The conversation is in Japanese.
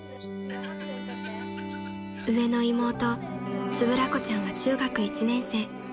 ［上の妹円子ちゃんは中学１年生］